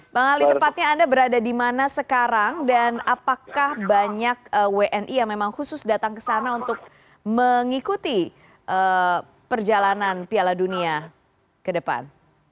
bang ali tepatnya anda berada di mana sekarang dan apakah banyak wni yang memang khusus datang ke sana untuk mengikuti perjalanan piala dunia ke depan